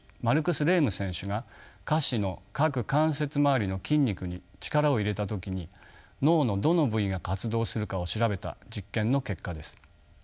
マルクス・レーム選手が下肢の各関節周りの筋肉に力を入れた時に脳のどの部位が活動するかを調べた実験の結果です。